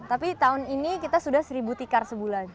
tapi tahun ini kita sudah seribu tikar sebulan